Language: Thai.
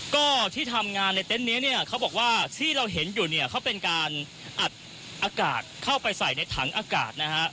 ก็ที่ทำงานในเต็นต์นี้เนี่ยเขาบอกว่าที่เราเห็นอยู่เนี่ยเขาเป็นการอัดอากาศเข้าไปใส่ในถังอากาศนะฮะ